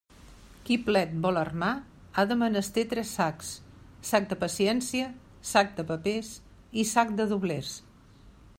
Qui plet vol armar ha de menester tres sacs; sac de paciència, sac de papers i sac de doblers.